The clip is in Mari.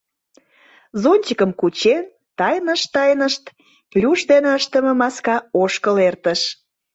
Зонтикым кучен, тайнышт-тайнышт, плюш ден ыштыме маска ошкыл эртыш.